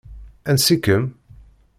Ansi-kem?